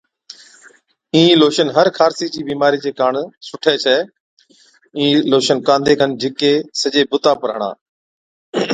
اِين لوشن هر خارسي چِي بِيمارِي چي ڪاڻ سُٺَي ڇَي، اِين لوشن ڪانڌي کن جھِڪي سجي بُتا پر هڻا۔